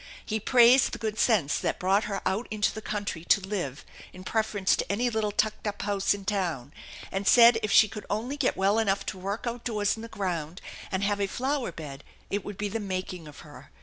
He praised the good sense that brought her out into the country to live, in preference to any little tucked up house in town, and said if she could only get well enough to work outdoors in the ground and have a flower bed it would be the making of her.